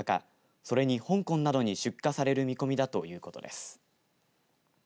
それに香港などに出荷される見込みだということです。